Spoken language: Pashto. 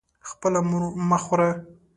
خپله مور مه خوره.